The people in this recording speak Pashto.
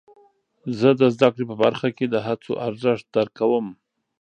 زه د زده کړې په برخه کې د هڅو ارزښت درک کوم.